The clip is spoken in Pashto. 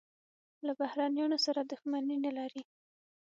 له بهرنیانو سره دښمني نه لري.